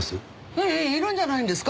ええええいるんじゃないんですか。